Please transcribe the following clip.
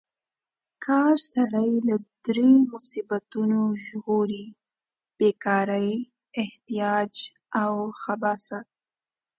کار سړی له دریو مصیبتونو ژغوري: بې کارۍ، احتیاج او خباثت.